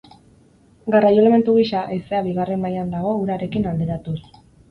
Garraio-elementu gisa, haizea bigarren mailan dago urarekin alderatuz.